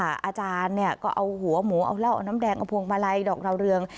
อาจารย์เนี่ยก็เอาหัวหมูเอาเหล้าเอาน้ำแดงเอาพวงมาลัยดอกดาวเรือง